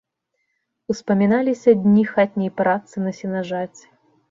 Успаміналіся дні хатняй працы на сенажаці.